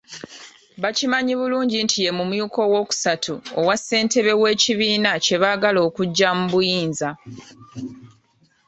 Bakimanyi bulungi nti ye mumyuka owookusatu owa ssentebe w’ekibiina kye baagala okuggya mu buyinza.